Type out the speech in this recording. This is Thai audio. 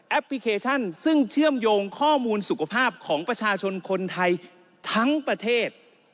พลิเคชันซึ่งเชื่อมโยงข้อมูลสุขภาพของประชาชนคนไทยทั้งประเทศ